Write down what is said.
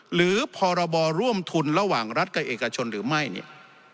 หรือพรบร่วมทุนระหว่างรัฐกับเอกชนหรือไม่เนี่ย